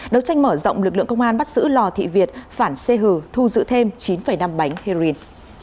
đấu tranh mở rộng lực lượng công an bắt giữ lò thị việt phản xê hừ thu giữ thêm chín năm bánh heroin